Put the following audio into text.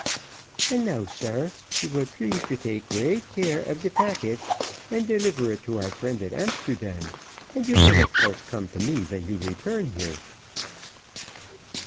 "And now, sare, you vill please to take great care of de packet, and deliver it to our friend at Amsterdam, and you vill of course come to me ven you return here."